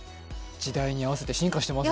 時代に合わせて進化してますね。